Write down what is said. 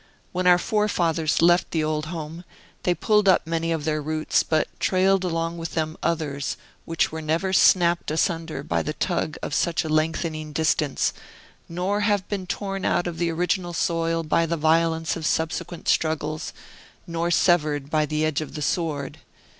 When our forefathers left the old home, they pulled up many of their roots, but trailed along with them others, which were never snapt asunder by the tug of such a lengthening distance, nor have been torn out of the original soil by the violence of subsequent struggles, nor severed by the edge of the sword.